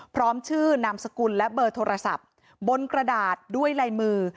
พร้อมชื่อนามสกุลและเบอร์โทรศัพท์บนกระดาษด้วยลายมือ